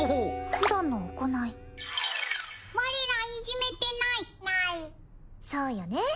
普段の行い我らいじめてないないそうよね